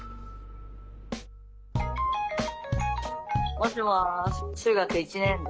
もしもし中学１年ですね。